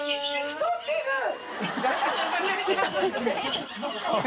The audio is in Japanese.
「太ってる」